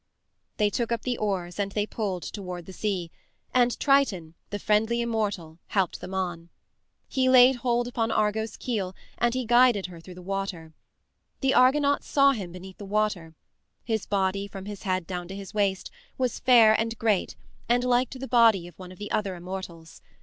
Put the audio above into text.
They took up the oars and they pulled toward the sea, and Triton, the friendly immortal, helped them on. He laid hold upon Argo's keel and he guided her through the water. The Argonauts saw him beneath the water; his body, from his head down to his waist, was fair and great and like to the body of one of the other immortals.